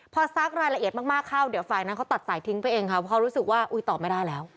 พอซักรายละเอียดมากเข้าเดี๋ยวฝ่ายนั้นเขาตัดสายทิ้งไปเองค่ะเพราะเขารู้สึกว่าอุ๊ยตอบไม่ได้แล้ว